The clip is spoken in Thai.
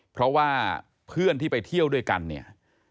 เพราะว่าเพื่อนที่ไปเที่ยวด้วยกันเนี่ย